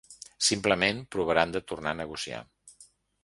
Simplement, provaran de tornar a negociar.